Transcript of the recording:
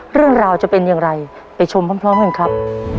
เรื่องราวจะเป็นอย่างไรไปชมพร้อมกันครับ